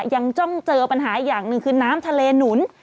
ยังจ้องเจอปัญหาอีกอย่างหนึ่งคือน้ำทะเลหนุน